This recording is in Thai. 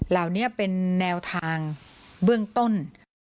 เหล่านี้เป็นแนวทางเบื้องต้น